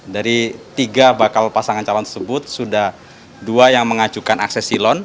dari tiga bakal pasangan calon tersebut sudah dua yang mengajukan akses silon